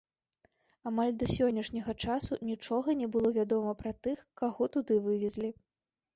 Амаль да сённяшняга часу нічога не было вядома пра тых, каго туды вывезлі.